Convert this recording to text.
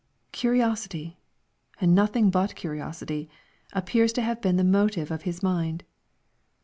Curiosity, and nothing but curiosity, appears to have been the motive of his mind.